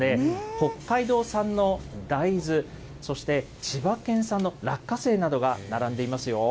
北海道産の大豆、そして千葉県産の落花生などが並んでいますよ。